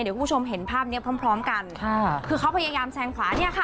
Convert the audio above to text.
เดี๋ยวคุณผู้ชมเห็นภาพเนี้ยพร้อมพร้อมกันค่ะคือเขาพยายามแซงขวาเนี่ยค่ะ